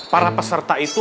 para peserta itu